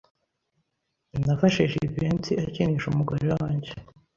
Nafashe Jivency akinisha umugore wanjye.